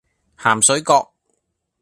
鹹水角